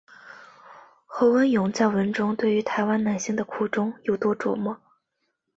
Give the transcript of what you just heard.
侯文咏在文中对于台湾男性的苦衷有多琢磨。